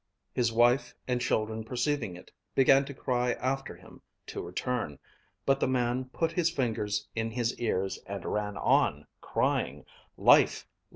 His wife and children perceiving it, began to cry after him to return; but the man put his fingers in his ears and ran on, crying, 'Life!